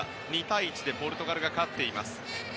２対１でポルトガルが勝っています。